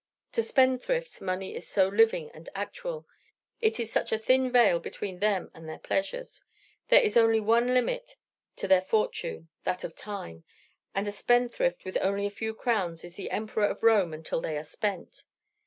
To spendthrifts money is so living and actual it is such a thin veil between them and their pleasures! There is only one limit to their fortune that of time; and a spendthrift with only a few crowns is the Emperor of Rome until they are spent.